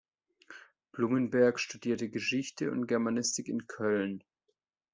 Blumenberg studierte Geschichte und Germanistik in Köln.